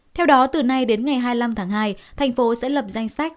theo đó từ nay đến ngày hai mươi năm tháng hai thành phố sẽ lập danh sách